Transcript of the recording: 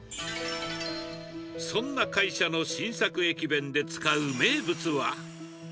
そんな会社の新作駅弁で使う名物は。